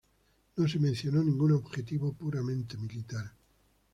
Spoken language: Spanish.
No se mencionó ningún objetivo puramente militar.